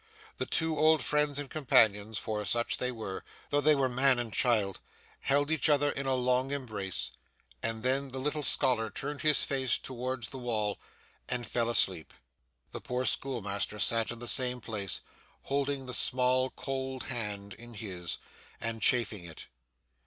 The two old friends and companions for such they were, though they were man and child held each other in a long embrace, and then the little scholar turned his face towards the wall, and fell asleep. The poor schoolmaster sat in the same place, holding the small cold hand in his, and chafing it.